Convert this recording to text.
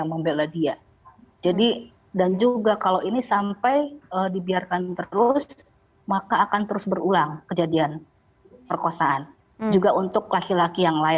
mbak pungki kalau misalnya khusus yang kasus ini